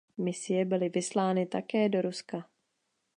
Misie byly vyslány také do Ruska.